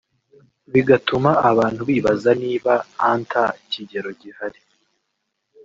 Bigatuma abantu bibaza nib anta kigero gihari